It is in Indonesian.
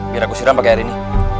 biar aku siram pakai air ini